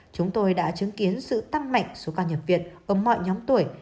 chúng tôi đã chứng kiến sự tăng mạnh số ca nhập viện ở mọi nhóm tuổi